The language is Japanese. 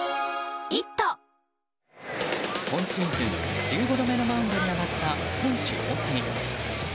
今シーズン１５度目のマウンドに上がった投手・大谷。